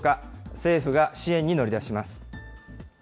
政府が支援に乗り出します。